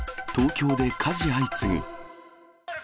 東京で火事相次ぐ。